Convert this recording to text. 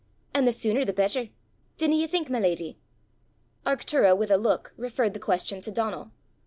an' the sooner the better dinna ye think, my leddy?" Arctura with a look referred the question to Donal.